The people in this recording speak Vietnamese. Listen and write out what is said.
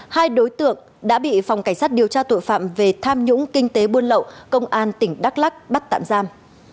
hai đối tượng đã bị phòng cảnh sát điều tra tội phạm về tham nhũng kinh tế buôn lậu công an tỉnh đắk lắc bắt tạm giam